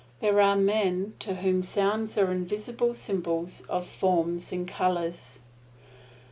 There are men to whom sounds are invisible symbols of forms and colors.